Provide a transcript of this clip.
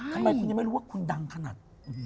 ทำไมคุณยังไม่รู้ว่าคุณดังขนาด